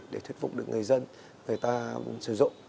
để thuyết phục được người dân người ta sử dụng